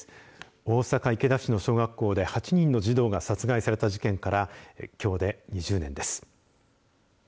大阪、池田市の小学校で８人の児童が殺害された事件からきょうで２０年です。